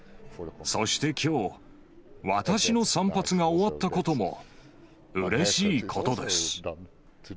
そしてきょう、私の散髪が終わったことも、うれしいことです。